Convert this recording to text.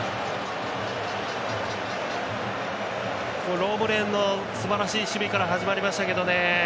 ロブレンのすばらしい守備から始まりましたけどね。